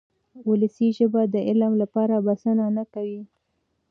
ولسي ژبه د علم لپاره بسنه نه کوي.